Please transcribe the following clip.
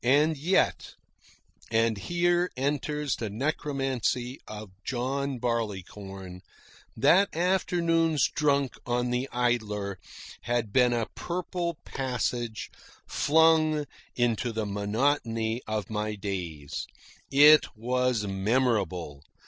And yet and here enters the necromancy of John Barleycorn that afternoon's drunk on the Idler had been a purple passage flung into the monotony of my days. It was memorable.